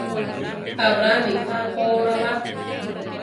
Abrani ká ko ra ba.